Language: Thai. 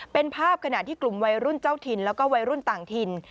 เป็นภาพขณะที่กลุ่มไวรุ่นเจ้าทินและกลุ่มไวรุ่นต่างถิ่น